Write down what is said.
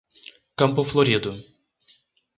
Campo Florido